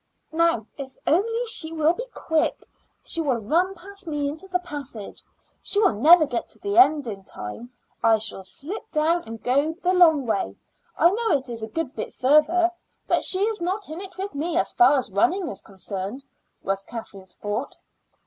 "Now, if only she will be quick, she will run past me into the passage. She will never get to the end in time. I shall slip down and go the long way. I know it is a good bit farther, but she is not in it with me as far as running is concerned," was Kathleen's thought.